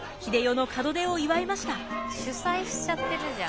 主催しちゃってるじゃん。